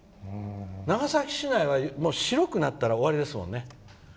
長崎市内は白くなったら終わりですもんね。